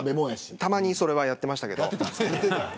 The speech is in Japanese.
たまにそれはやっていましたけど。